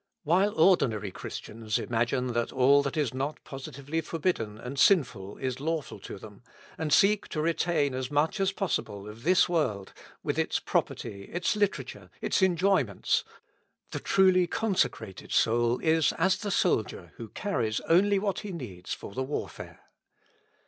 While ordinary Christians imagine that all that is not positively forbidden and sinful is lawful to them, and io6 With Christ in the School of Prayer. seek to retain as much as possible of this world, with its property, its literature, its enjoyments, the truly consecrated soul is as the soldier who carries only what he needs for the warfare.